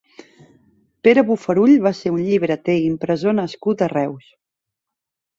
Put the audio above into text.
Pere Bofarull va ser un llibreter i impressor nascut a Reus.